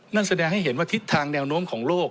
นั่นแสดงให้เห็นว่าทิศทางแนวโน้มของโลก